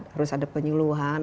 harus ada penyeluhan